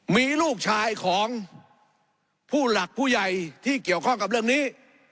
มีลูกชายของผู้หลักผู้ใหญ่ที่เกี่ยวข้องกับเรื่องนี้